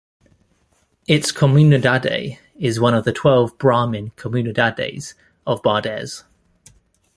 Its comunidade is one of the twelve Brahmin comunidades of Bardez.